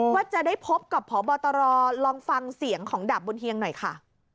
ว่าจะได้พบกับพบตรลองฟังเสียงของดาบบุญเฮียงหน่อยค่ะ